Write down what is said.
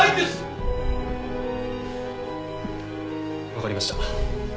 わかりました。